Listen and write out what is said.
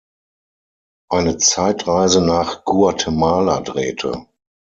Eine Zeitreise nach Guatemala“ drehte.